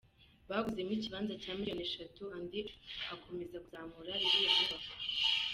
Baguzemo ikibanza cya miliyoni eshatu andi akomeza kuzamura iriya nyubako.